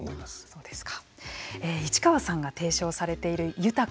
そうですね。